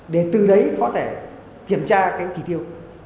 để từ đấy có thể kiểm tra cái chỉ tiêu